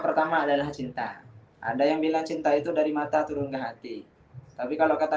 pertama adalah cinta ada yang bilang cinta itu dari mata turun ke hati tapi kalau kata